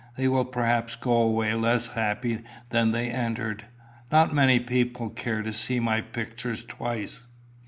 They will perhaps go away less happy than they entered. Not many people care to see my pictures twice."